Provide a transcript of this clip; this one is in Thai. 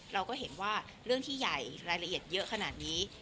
เราก็เห็นว่าเรื่องที่ใหญ่รายละเอียดเยอะขนาดนี้